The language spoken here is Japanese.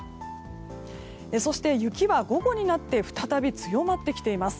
そして、雪は午後になって再び強まってきています。